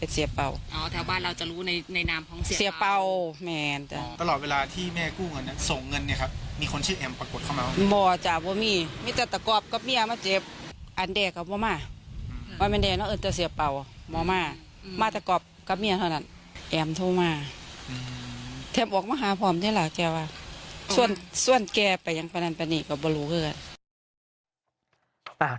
ส่วนแกไปยังพนันปณีก็ไม่รู้คือ